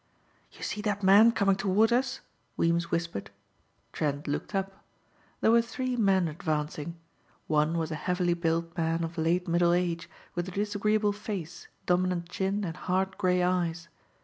"You see that man coming toward us," Weems whispered. Trent looked up. There were three men advancing. One was a heavily built man of late middle age with a disagreeable face, dominant chin and hard gray eyes.